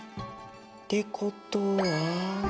ってことは。